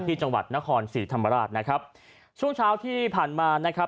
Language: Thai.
ที่จังหวัดนครศรีธรรมราชนะครับช่วงเช้าที่ผ่านมานะครับ